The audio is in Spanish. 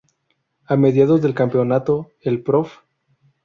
A mediados del campeonato el Prof.